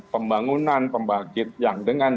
pembangunan pembangkit yang dengan